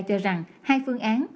cho rằng hai phương án